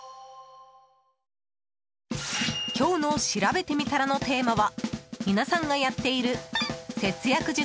今日のしらべてみたらのテーマは皆さんがやっている節約術